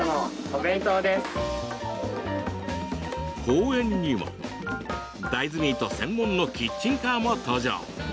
公園には、大豆ミート専門のキッチンカーも登場。